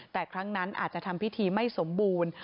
แต่ครั้งนั้นอาจจะทำพิธีไม่สมบูรณ์